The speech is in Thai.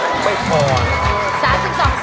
ไม่พอนะสามล้านกว่าบาท